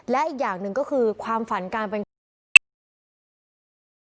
และอีกอย่างหนึ่งก็คือความฝันการเป็นครู